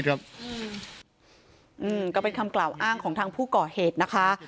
ก็เป็นคำกล่าวอ้างของทางผู้ก่อเหตุนะคะ